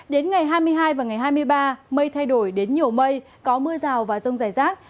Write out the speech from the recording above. đến ngày hai mươi hai và ngày hai mươi ba mây thay đổi đến nhiều mây có mưa rào và rông rải rác